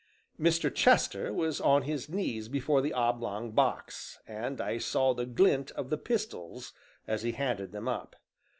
Mr. Chester was on his knees before the oblong box, and I saw the glint of the pistols as he handed them up.